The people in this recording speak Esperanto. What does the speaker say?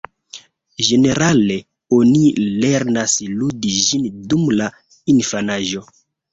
Ĝenerale, oni lernas ludi ĝin dum la infanaĝo.